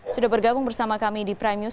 sudah bergabung bersama kami di prime news